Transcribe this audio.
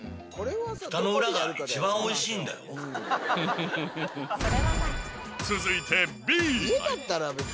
ふたの裏が一番おいしいんだ続いてＢ。